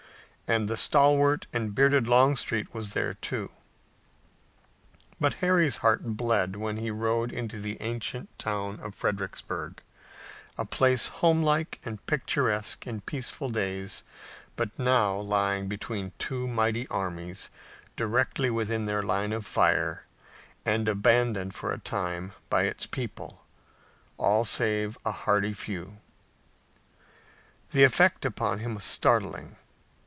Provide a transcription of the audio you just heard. And the stalwart and bearded Longstreet was there, too. But Harry's heart bled when he rode into the ancient town of Fredericksburg, a place homelike and picturesque in peaceful days, but now lying between two mighty armies, directly within their line of fire, and abandoned for a time by its people, all save a hardy few. The effect upon him was startling.